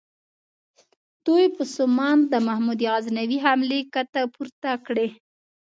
دوی په سومنات د محمود غزنوي حملې کته پورته کړې.